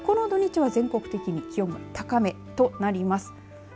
この土日は全国的に気温が高めとなります。